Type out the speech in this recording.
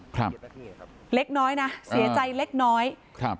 ครับเล็กน้อยนะเสียใจเล็กน้อยครับ